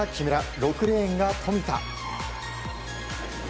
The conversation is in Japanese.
６レーンが富田。